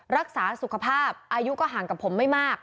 รักษาสุขภาพอายุก็ห่างกับผมไม่มาก